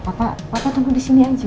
papa papa tunggu di sini aja